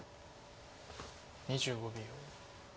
２５秒。